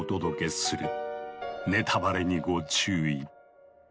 ネタバレにご注意。